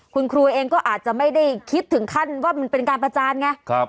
คุณครูเองก็อาจจะไม่ได้คิดถึงขั้นว่ามันเป็นการประจานไง